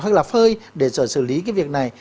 hoặc là phơi để rồi xử lý cái việc này